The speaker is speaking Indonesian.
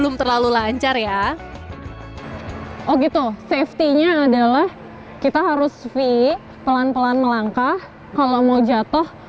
masih muda ya oh gitu safety nya adalah kita harus v pelan pelan melangkah kalau mau jatuh